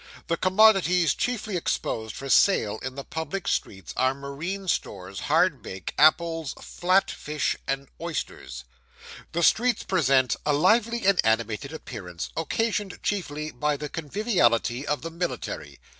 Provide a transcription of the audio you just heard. The commodities chiefly exposed for sale in the public streets are marine stores, hard bake, apples, flat fish, and oysters. The streets present a lively and animated appearance, occasioned chiefly by the conviviality of the military.